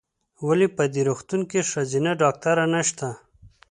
ولې په دي روغتون کې ښځېنه ډاکټره نشته ؟